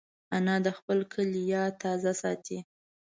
انا د خپل کلي یاد تازه ساتي